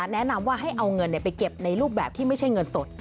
แนะนำว่าให้เอาเงินไปเก็บในรูปแบบที่ไม่ใช่เงินสด